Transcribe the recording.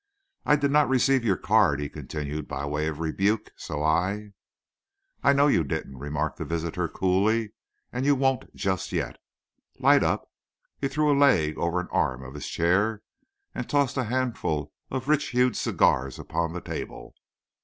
"I did not receive your card," he continued, by way of rebuke, "so I—" "I know you didn't," remarked the visitor, coolly; "And you won't just yet. Light up?" He threw a leg over an arm of his chair, and tossed a handful of rich hued cigars upon the table.